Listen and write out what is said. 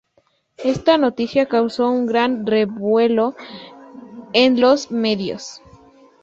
Esta noticia causó un gran revuelo en los medios.